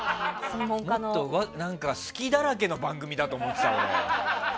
もっと隙だらけの番組だと思ってた、俺。